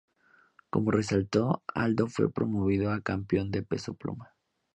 Como resultado, Aldo fue promovido a campeón de peso pluma.